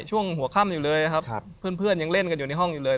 ช่วงหัวค่ำอยู่เลยครับเพื่อนยังเล่นกันอยู่ในห้องอยู่เลย